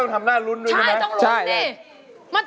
ต้องทำหน้ารุ้นด้วยมั๊ย